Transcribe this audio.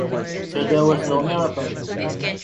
So there was no miracle?